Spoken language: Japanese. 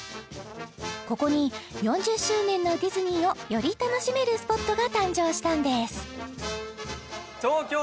ここに４０周年のディズニーをより楽しめるスポットが誕生したんです